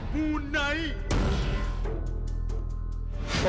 บูนไนค์